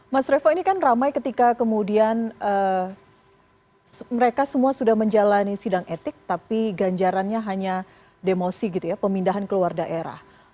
mas revo ini kan ramai ketika kemudian mereka semua sudah menjalani sidang etik tapi ganjarannya hanya demosi gitu ya pemindahan keluar daerah